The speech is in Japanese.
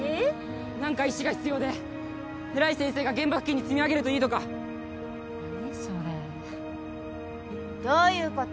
何か石が必要で偉い先生が現場付近に積み上げるといいとか何それどういうこと？